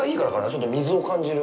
ちょっと水を感じる。